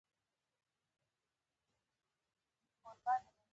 د عدلي محکمې پرېکړې باید ومنل شي.